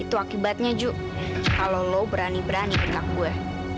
itu akibatnya ju kalau lo berani berani dengan gue